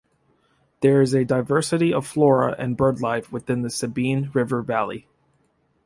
There is a diversity of flora and birdlife within the Sabine River Valley.